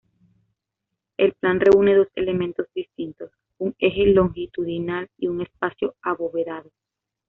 El plan reúne dos elementos distintos: un eje longitudinal y un espacio abovedado.